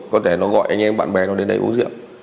có thể nó gọi anh em bạn bè nó đến đây uống rượu